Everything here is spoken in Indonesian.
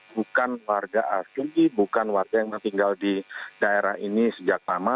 bukan warga asli bukan warga yang tinggal di daerah ini sejak lama